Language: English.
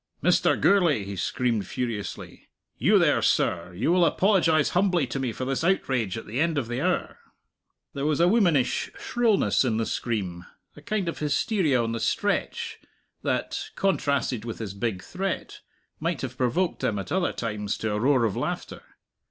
"Mr. Gourlay," he screamed furiously "you there, sir; you will apologize humbly to me for this outrage at the end of the hour." There was a womanish shrillness in the scream, a kind of hysteria on the stretch, that (contrasted with his big threat) might have provoked them at other times to a roar of laughter.